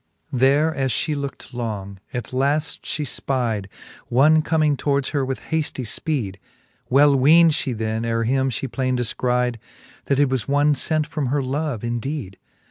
VIII. There as fhe looked long, at laft fhe fpide One comming towards her with hafty fpeede : Well weend fhe then, ere him fhe plaine defcride^ That it was one fent from her love indeede.